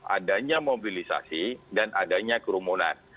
adanya mobilisasi dan adanya kerumunan